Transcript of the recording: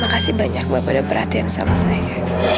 makasih banyak bapak udah perhatian sama saya